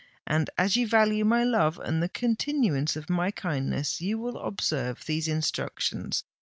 And as you value my love and the continuance of my kindness, you will observe these instructions.